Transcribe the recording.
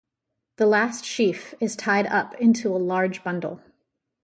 The last sheaf is tied up into a large bundle.